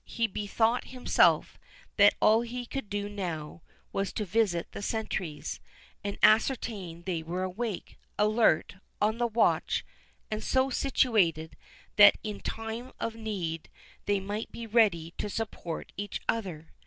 He bethought himself, that all he could now do, was to visit the sentries, and ascertain that they were awake, alert, on the watch, and so situated, that in time of need they might be ready to support each other.